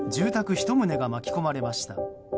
１棟が巻き込まれました。